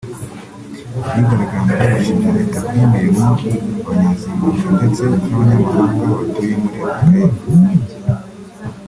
Abigaragambya bashinja Leta guha imirimo abanya-Zimbabwe ndetse n’abanyamahanga batuye muri Afurika y’Epfo